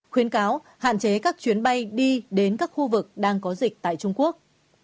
khuyến cáo hạn chế các chuyến bay đi đến các khu vực đang có dịch tại trung quốc